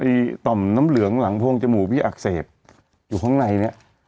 พี่พี่เป็นต่อมน้ำเหลืองหลังจมูกอักเสบอยู่ข้างในนี้